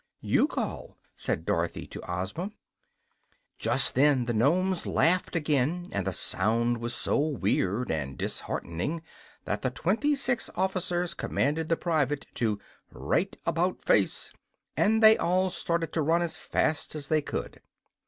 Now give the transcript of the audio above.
"YOU call," said Dorothy to Ozma. Just then the Nomes laughed again, and the sound was so weird and disheartening that the twenty six officers commanded the private to "right about face!" and they all started to run as fast as they could.